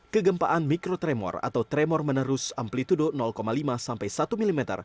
kegempaan mikrotremor atau tremor menerus amplitude lima sampai satu mm